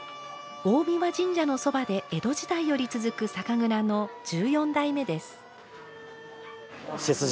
大神神社のそばで江戸時代より続く酒蔵の１４代目です。